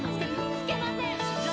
つけません！